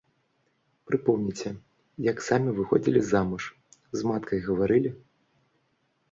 Прыпомніце, як самі выходзілі замуж, з маткай гаварылі?